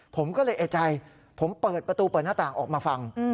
ผมก็เลยเอกใจผมเปิดประตูเปิดหน้าต่างออกมาฟัง